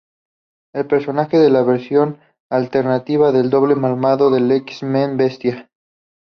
El personaje es la versión alternativa del doble malvado del X-Men, Bestia.